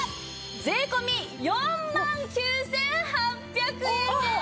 税込４万９８００円です。